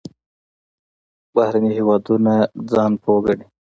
بهرني هېوادونه ځان پوه ګڼي.